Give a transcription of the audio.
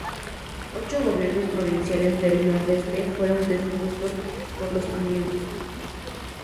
Ocho gobiernos provinciales del Nordeste fueron depuestos por los tenientes.